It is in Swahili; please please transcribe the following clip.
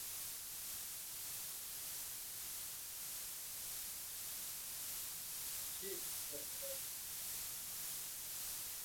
Elimu ya sekondari alianzia Mine house Misri